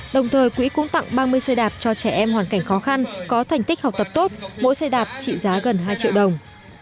đồng thời quỹ cũng tặng ba mươi xe đạp cho trẻ em hoàn cảnh khó khăn có thành tích học tập tốt mỗi xe đạp trị giá gần hai triệu đồng